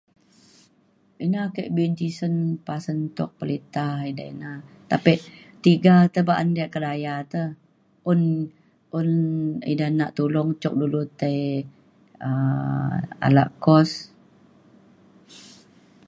ina ke be'un tisen pasen tuk pelita edei ina tapek tiga ta ba'an dia kedaya te un un ida na tulong cok dulu tai um alak kos